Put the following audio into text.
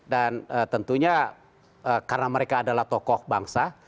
dan tentunya karena mereka adalah tokoh bangsa